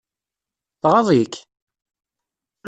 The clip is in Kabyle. Tɣaḍ-ik?